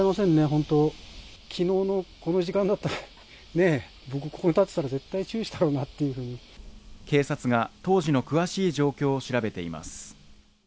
本当昨日のこの時間だったら、僕ここに立てたら絶対注意しただろうなっていうふうに警察が当時の詳しい状況を調べています。